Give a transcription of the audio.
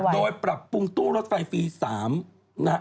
โดยปรับปรุงตู้รถไฟฟรี๓นะฮะ